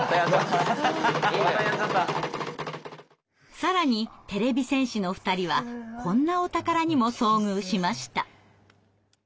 更にてれび戦士の２人はこんなお宝にも遭遇しました。